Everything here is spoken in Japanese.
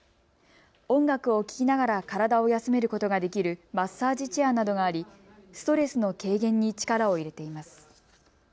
音楽を聴きながら体を休めることができるマッサージチェアなどがあり、ストレスの軽減に力を入れています。